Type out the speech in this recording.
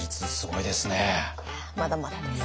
いやまだまだです。